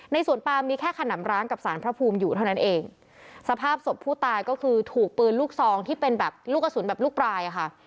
สวนปามมีแค่ขนำร้างกับสารพระภูมิอยู่เท่านั้นเองสภาพศพผู้ตายก็คือถูกปืนลูกซองที่เป็นแบบลูกกระสุนแบบลูกปลายอ่ะค่ะ